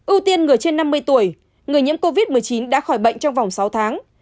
ưu tiên người trên năm mươi tuổi người nhiễm covid một mươi chín đã khỏi bệnh trong vòng sáu tháng